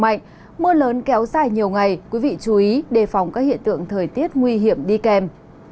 mạnh mưa lớn kéo dài nhiều ngày quý vị chú ý đề phòng các hiện tượng thời tiết nguy hiểm đi kèm